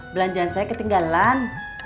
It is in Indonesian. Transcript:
belanjaan saya ketinggalan